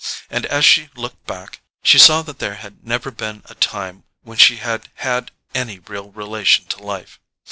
And as she looked back she saw that there had never been a time when she had had any real relation to life.